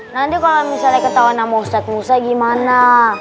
nanti kalau misalnya ketahuan sama ustadz musa gimana